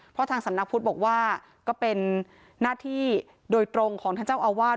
เพราะทางสำนักพุทธบอกว่าก็เป็นหน้าที่โดยตรงของท่านเจ้าอาวาส